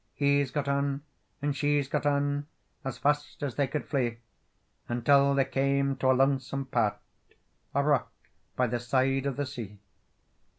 He's got on and she's got on, As fast as they could flee, Until they came to a lonesome part, A rock by the side of the sea.